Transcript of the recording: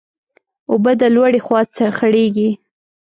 اوبه د لوړي خوا خړېږي.